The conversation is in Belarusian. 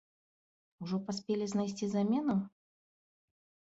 Ужо паспелі знайсці замену?